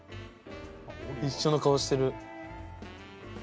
一緒の顔してる。